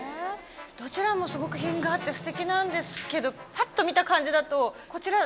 どちらもすごく品があってステキなんですけどぱっと見た感じだとこちら。